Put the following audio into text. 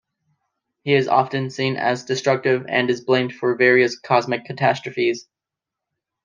He is often seen as destructive and is blamed for various cosmic catastrophes.